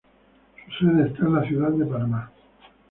Su sede está en la ciudad de Panamá.